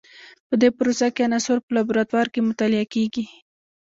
په دې پروسه کې عناصر په لابراتوار کې مطالعه کیږي.